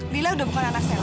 lila udah bukan anak saya